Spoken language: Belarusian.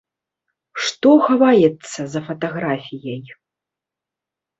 Што хаваецца за фатаграфіяй?